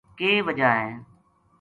کے وجہ ہے